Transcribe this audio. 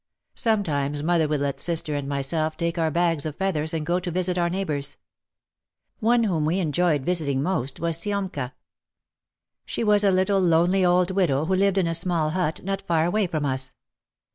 Sometimes mother would let sister and myself take our bags of feathers and go to visit our neighbours. One whom we enjoyed visiting most was Siomka. She was a little, lonely, old widow who lived in a small hut not far away from us.